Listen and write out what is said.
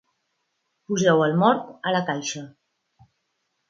Poseu el mort a la caixa.